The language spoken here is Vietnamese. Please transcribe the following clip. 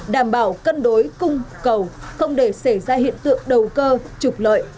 đảm bảo cân đối cung cầu không để xảy ra hiện tượng đầu cơ trục lợi